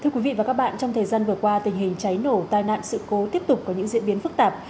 thưa quý vị và các bạn trong thời gian vừa qua tình hình cháy nổ tai nạn sự cố tiếp tục có những diễn biến phức tạp